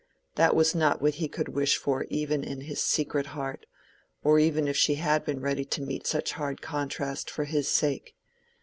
That was not what he could wish for even in his secret heart, or even if she had been ready to meet such hard contrast for his sake.